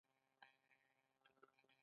یو سل او اته اویایمه پوښتنه قطعیه حساب دی.